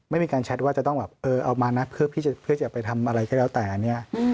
ไม่มีการแชทว่าจะต้องเอามานะเพื่อจะไปทำอะไรแค่แล้วแต่